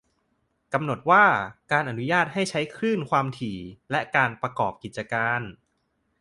กำหนดว่า การอนุญาตให้ใช้คลื่นความถี่ และ การประกอบกิจการ